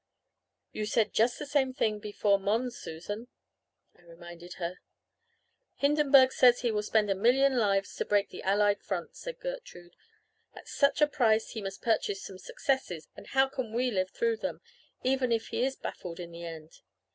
"'You said just the same thing before Mons, Susan,' I reminded her. "'Hindenburg says he will spend a million lives to break the Allied front,' said Gertrude. 'At such a price he must purchase some successes and how can we live through them, even if he is baffled in the end.